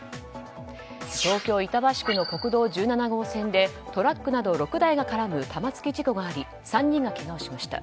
東京・板橋区の国道１７号線でトラックなど６台が絡む玉突き事故があり３人がけがをしました。